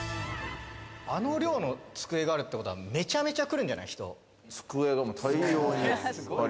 あの量の机があるってことは、めちゃめちゃ来るんじゃない？